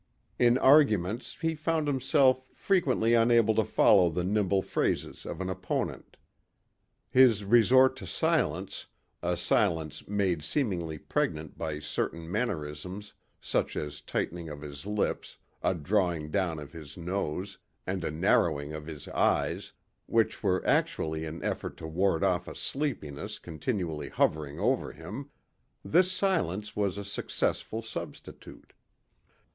In arguments he found himself frequently unable to follow the nimble phrases of an opponent. His resort to silence a silence made seemingly pregnant by certain mannerisms such as a tightening of his lips, a drawing down of his nose, and a narrowing of his eyes, which were actually an effort to ward off a sleepiness continually hovering over him this silence was a successful substitute.